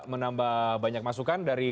menambah banyak masukan dari